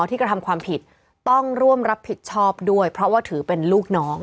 ที่กระทำความผิดต้องร่วมรับผิดชอบด้วยเพราะว่าถือเป็นลูกน้อง